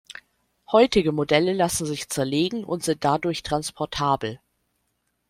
Heutige Modelle lassen sich zerlegen und sind dadurch transportabel.